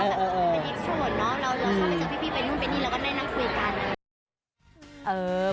เดี๋ยวเราชอบไปเจอพี่ไปนู่นไปนี่เราก็ได้นั่งคุยกัน